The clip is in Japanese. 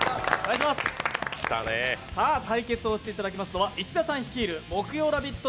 対決をしていただきますのは石田さん率いる、木曜ラヴィット！